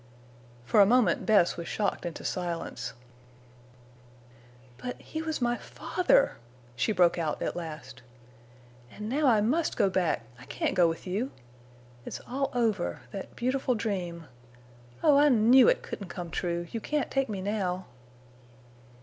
For a moment Bess was shocked into silence. "But he was my father!" she broke out, at last. "And now I must go back—I can't go with you. It's all over—that beautiful dream. Oh, I knew it couldn't come true. You can't take me now."